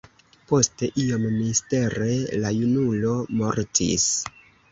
Poste, iom mistere, la junulo mortis.